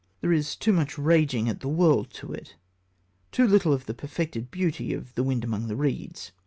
There is too much raging at the world in it, too little of the perfected beauty of The Wind Among the Reeds.